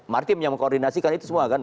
main koordinasi kan itu semua kan